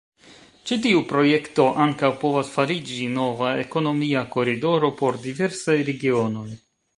Ĉi tiu projekto ankaŭ povas fariĝi nova ekonomia koridoro por diversaj regionoj.